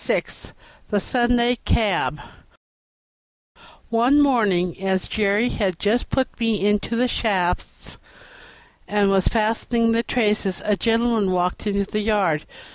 36 The Sunday Cab One morning, as Jerry had just put me into the shafts and was fastening the traces, a gentleman walked into the yard.